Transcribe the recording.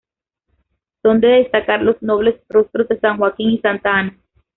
Son de destacar los nobles rostros de San Joaquín y Santa Ana.